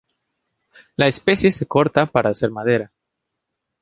La especie se corta para hacer madera.